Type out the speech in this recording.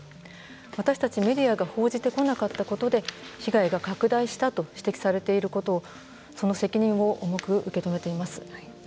私たちメディアが報じてこなかったことで被害が拡大したと指摘されていることその責任を重く受け止めています。